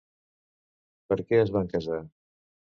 Per què es van casar?